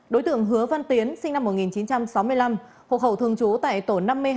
đối tượng hứa văn tiến sinh năm một nghìn chín trăm sáu mươi năm hộ khẩu thường trú tại tổ năm mươi hai